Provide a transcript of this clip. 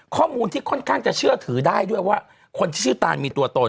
ข้อมูลที่ค่อนข้างจะเชื่อถือได้ด้วยว่าคนที่ชื่อตานมีตัวตน